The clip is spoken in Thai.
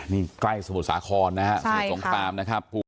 นี่ใกล้สมุดสาคอนนะครับสมุดสงครามนะครับ